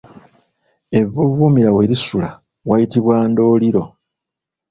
Evvuuvuumira we lisula wayitibwa Ndoliiro.